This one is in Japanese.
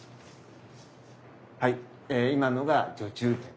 はい今のが序中剣。